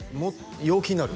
陽気になる？